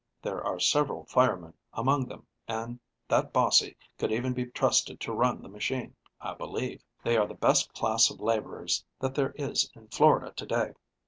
There are several firemen among them, and that Bossie could even be trusted to run the machine, I believe. They are the best class of laborers that there is in Florida to day.